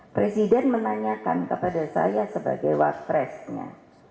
presiden menanyakan kepada saya sebagai wapresnya